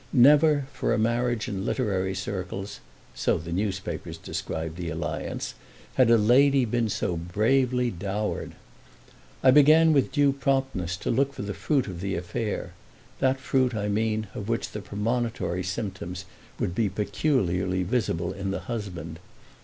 Never, for a marriage in literary circles—so the newspapers described the alliance—had a lady been so bravely dowered. I began with due promptness to look for the fruit of the affair—that fruit, I mean, of which the premonitory symptoms would be peculiarly visible in the husband.